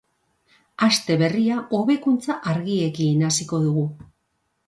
Aste berria hobekuntza argiekin hasiko dugu.